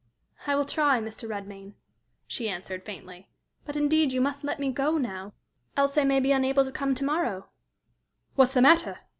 "I will try, Mr. Redmain," she answered, faintly. "But indeed you must let me go now, else I may be unable to come to morrow." "What's the matter?"